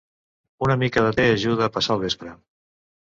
Una mica de te ajuda a passar el vespre.